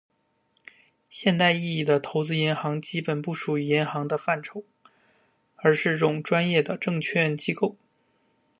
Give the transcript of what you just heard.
现代意义的投资银行基本不属于银行的范畴，而是种专业证券机构。